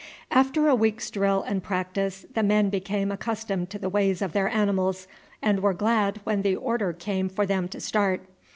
After a week's drill and practice the men became accustomed to the ways of their animals, and were glad when the order came for them to start.